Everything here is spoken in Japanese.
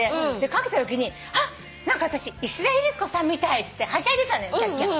掛けたときに「あっ！何か私石田ゆり子さんみたい」っつってはしゃいでたのよキャッキャッ。